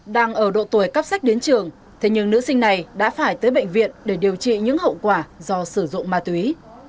đang ở độ tuổi cắp sách đến trường thế nhưng nữ sinh này đã phải tới bệnh viện để điều trị những hậu quả do sử dụng ma túy